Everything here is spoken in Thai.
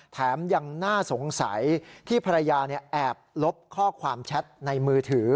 แถมยังน่าสงสัยที่ภรรยาแอบลบข้อความแชทในมือถือ